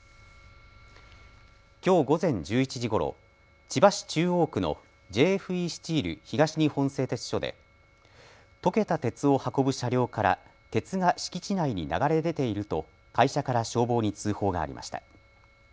きょう午前１１時ごろ、千葉市中央区のＪＦＥスチール東日本製鉄所で溶けた鉄を運ぶ車両から鉄が敷地内に流れ出ていると会社から消防に通報がありました。